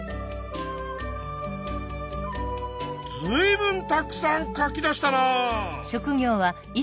ずいぶんたくさん書き出したなあ！